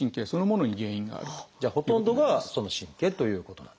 じゃあほとんどがその神経ということなんですね。